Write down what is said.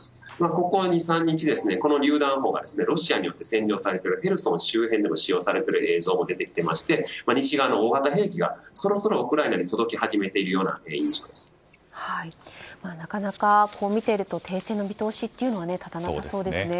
ここ２３日りゅう弾砲がロシアに占領されているヘルソン周辺でも使用されてる映像も出ていまして西側の大型兵器がそろそろウクライナになかなか見ていると停戦の見通しは立たなそうですね。